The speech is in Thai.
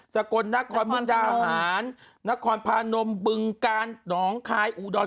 สะกดนครมึงดาหารนครพานมบึงกันน้องคายอูดอน